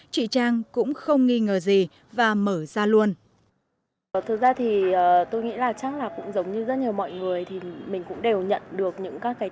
chị trang cũng không nghi ngờ gì và mở ra luôn